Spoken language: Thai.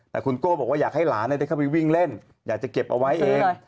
แต่คุณโก้บอกว่าอยากให้หลานได้เข้าไปวิ่งเล่นอยากจะเก็บเอาไว้เอง